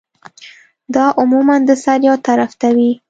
دا عموماً د سر يو طرف ته وی